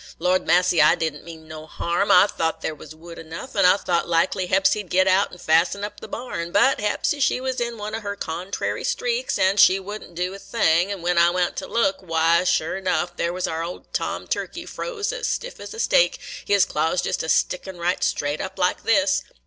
Lordy massy, I did n't mean no harm; I thought there was wood enough, and I thought likely Hepsy 'd git out an' fasten up the barn. But Hepsy, she was in one o' her contrary streaks, an' she would n't do a thing; an' when I went out to look, why, sure 'nuff, there was our old tom turkey froze as stiff as a stake, – his claws jist a stickin' right straight up like this."